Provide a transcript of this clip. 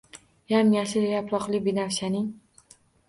Yam-yashil yaproqli binafshaning